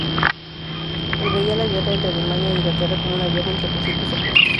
Él veía la guerra entre Alemania e Inglaterra como una guerra entre principios opuestos.